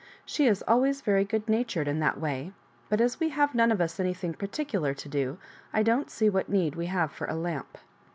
She is always very good natured in that way; but as we have none of us anything particular to do, I don't see what need we have for a lamp."